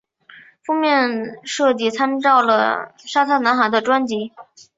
封面设计参照了海滩男孩的专辑。